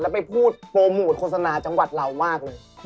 ไปพูดโปรโมทโฆษณาจังหวัดเรามากเลย